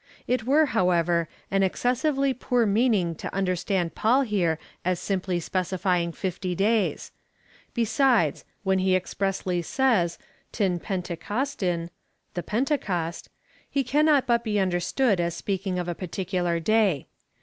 It were, however, an excessively poor meaning to understand Paul here as simply specifying fifty days. Besides, when he expressly says t7)v irevrnr^Koarriv (the Pentecost,) he cannot but be understood as speaking of a particular day.